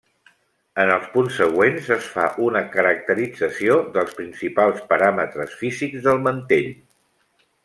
En els punts següents es fa una caracterització dels principals paràmetres físics del mantell.